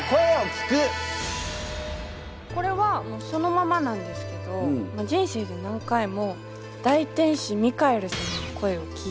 これはもうそのままなんですけど人生で何回も大天使ミカエル様の声を聞いているんです。